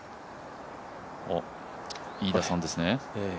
飯田さんですね。